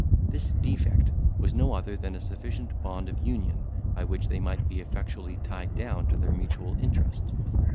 This defect was no other than a sufficient bond of union, by which they might be effectually tied down to their mutual interest.